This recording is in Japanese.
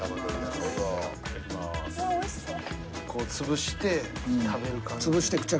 こう潰して食べる感じ。